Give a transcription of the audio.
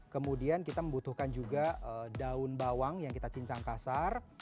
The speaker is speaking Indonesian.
kemudian kita membutuhkan juga daun bawang yang kita cincang kasar